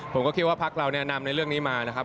ผมก็คิดว่าพักเราแนะนำในเรื่องนี้มานะครับ